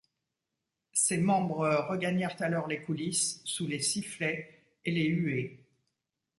Ses membres regagnèrent alors les coulisses, sous les sifflets et les huées.